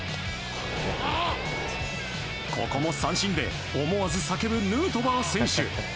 ここも三振で思わず叫ぶヌートバー選手。